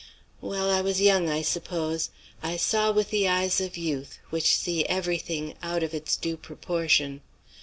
Well, I was young, I suppose; I saw with the eyes of youth, which see everything out of its due proportion.